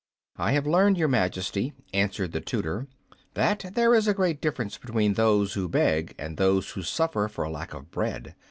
"I have learned, Your Majesty," answered the tutor, "that there is a great difference between those who beg and those who suffer for lack of bread.